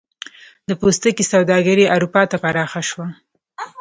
د پوستکي سوداګري اروپا ته پراخه شوه.